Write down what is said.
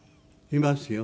いますよ。